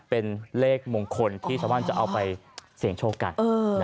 เป็นเลขมงคลที่สวรรค์จะเอาไปเสร็จโชคกัน